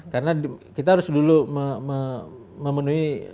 karena kita harus dulu memenuhi